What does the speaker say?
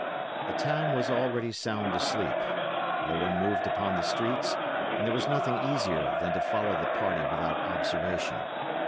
The town was already sound asleep; no one moved upon the streets, and there was nothing easier than to follow the party without observation.